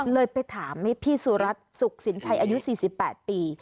เลยไปถามให้พี่สุรัตน์สุขสินชัยอายุ๔๘ปี